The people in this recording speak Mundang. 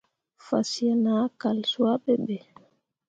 Fasyen ah kal suah ɓe be.